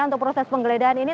untuk proses penggeledahan ini